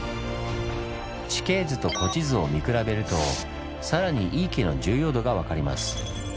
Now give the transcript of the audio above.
地形図と古地図を見比べるとさらに井伊家の重要度が分かります。